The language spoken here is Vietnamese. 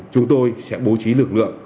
chúng tôi sẽ bố trí lực lượng